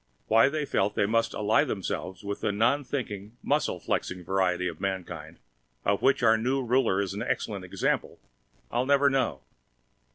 Why they felt they must ally themselves with the non thinking, muscle flexing variety of mankind of which our Ruler is an excellent example I'll never know.